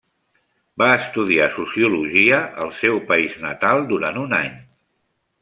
Va estudiar sociologia al seu país natal durant un any.